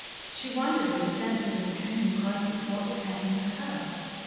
She wondered, with a sense of impending crisis, what would happen to her.